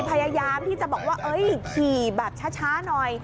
พยายามที่จะบอกว่าขี่แบบช้าหน่อย